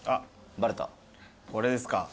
これですか？